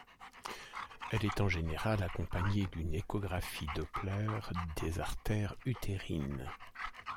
Elle est en général accompagnée d'une échographie Doppler des artères utérines.